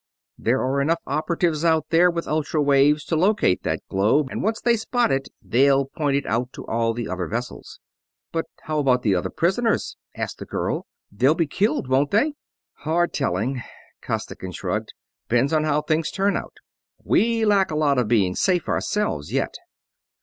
There are enough operatives out there with ultra waves to locate that globe, and once they spot it they'll point it out to all the other vessels." "But how about the other prisoners?" asked the girl. "They'll be killed, won't they?" "Hard telling," Costigan shrugged. "Depends on how things turn out. We lack a lot of being safe ourselves yet."